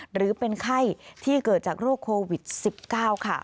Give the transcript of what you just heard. หรือเป็นไข้ที่เกิดจากโรคโควิด๑๙ค่ะ